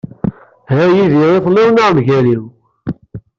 Ha yid-i i telliḍ neɣ mgal-iw.